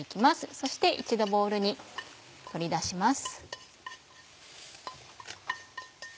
そして一度ボウルに取り出します。